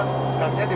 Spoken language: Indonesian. ini adalah powernya